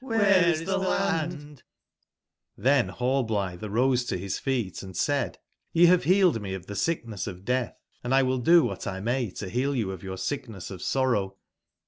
^bere is tbe land ?'' tiben Rallblitbe arose to bis feet, & said :'* Y^ ^^^^ bealed me of tbe sickness of deatb, and X will do wbat X may to bcal you of your sickness of sorrow.